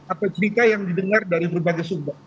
atau cerita yang didengar dari berbagai sumber